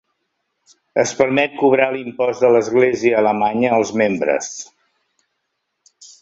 Es permet cobrar l'impost de l'església alemanya als membres.